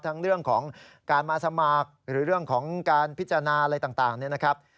ทั้งเรื่องของการมาสมัครหรือเรื่องของการพิจารณาอะไรต่างเนี่ยนะครับ